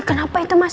eh kenapa itu masa